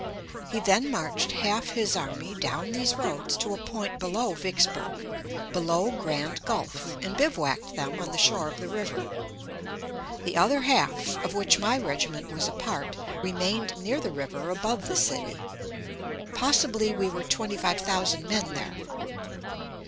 He then marched half his army down these roads to a point below Vicksburg, below Grand Gulf, and bivouacked them on the shore of the river. The other half, of which my regiment was a part, remained near the river above the city. Possibly we were twenty five thousand men there.